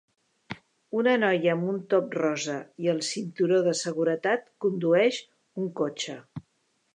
Una noia amb un top rosa i el cinturó de seguretat condueix un cotxe.